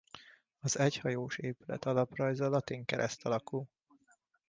Az egyhajós épület alaprajza latin kereszt alakú.